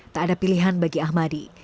tak ada pilihan bagi ahmadi